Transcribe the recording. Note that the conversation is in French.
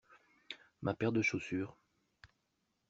Ma paire de chaussures.